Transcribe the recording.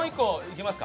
いきます？